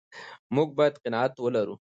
موږ باید قناعت ولرو.